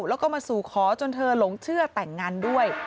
แล้วก็มาสู่ขอจนเธอหลงเชื่อแต่งงานด้วย